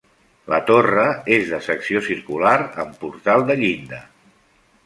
La torre és de secció circular, amb portal de llinda.